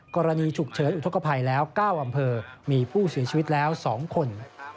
กรณีฉุกเฉินอุทธกภัยแล้ว๙อำเภอมีผู้เสียชีวิตแล้ว๒คน